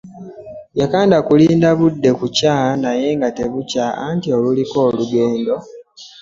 Yakanda kulinda budde kukya naye nga tebukya anti oluliko olugendo!.